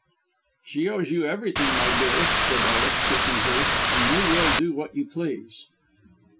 "She owes you everything, my dearest," said Ellis, kissing her, "and you will do what you please."